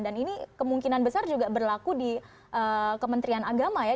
dan ini kemungkinan besar juga berlaku di kementerian agama ya